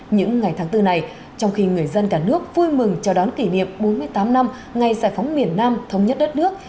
những ngày tháng bốn này trong khi người dân cả nước vui mừng chào đón kỷ niệm bốn mươi tám năm ngày giải phóng miền nam thống nhất đất nước